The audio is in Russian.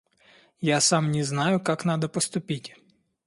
Я сам не знаю, как надо поступить.